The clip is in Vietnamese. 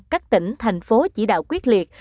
các tỉnh thành phố chỉ đạo quyết liệt